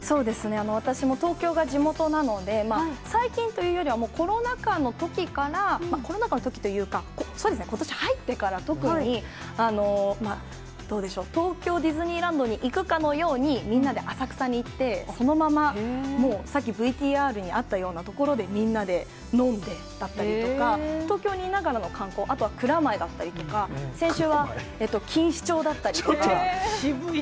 私も東京が地元なので、最近というよりはコロナ禍のときから、コロナ禍のときというか、そうですね、ことし入ってから特に、どうでしょう、東京ディズニーランドに行くかのように、みんなで浅草に行って、そのままもう、さっきＶＴＲにあったようなところで、みんなで飲んでだったりとか、東京にいながらの観光、あとは蔵前だったりとか、ちょっと。